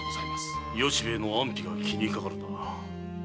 由兵衛の安否が気にかかるな。